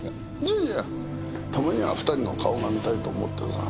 いやいやたまには２人の顔が見たいと思ってさ。